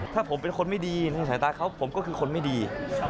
ถ้าผมเป็นคนไม่ดีในสายตาเขาผมก็คือคนไม่ดี